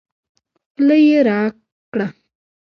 خوله يې راګړه